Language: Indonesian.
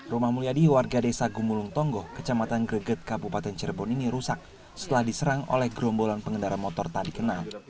rumah mulyadi warga desa gumulung tonggo kecamatan greget kabupaten cirebon ini rusak setelah diserang oleh gerombolan pengendara motor tak dikenal